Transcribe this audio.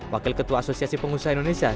wakil ketua asosiasi pengusaha indonesia